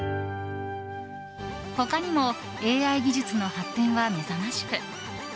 他にもＡＩ技術の発展はめざましく。